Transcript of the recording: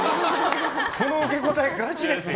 この受け答え、ガチですよ。